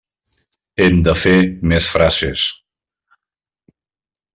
Hem de fer més frases.